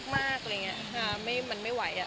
ก็มีแต่น้องเร็กก็ไม่ไหว